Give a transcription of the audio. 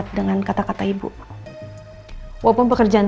iya kamu menyhibun seperti ini